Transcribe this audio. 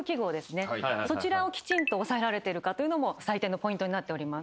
そちらをきちんと押さえられてるかというのも採点のポイントになっております。